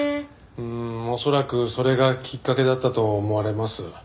うーん恐らくそれがきっかけだったと思われます。